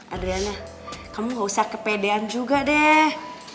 adriana kamu gak usah kepedean juga deh